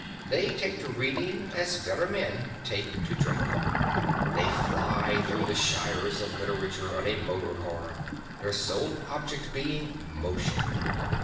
They take to reading as better men take to drink. They fly through the shires of literature on a motor car, their sole object being motion.